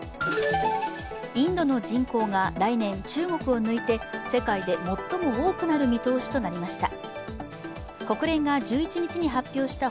インドの人口が来年、中国を抜いて世界で最も多くなる見通しとなりました。